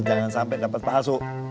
jangan sampai dapat palsu